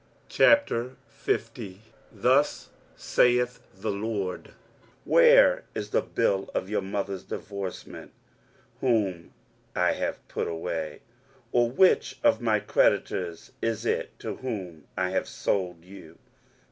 23:050:001 Thus saith the LORD, Where is the bill of your mother's divorcement, whom I have put away? or which of my creditors is it to whom I have sold you?